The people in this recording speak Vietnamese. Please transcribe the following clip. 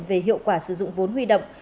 về hiệu quả sử dụng vốn huy động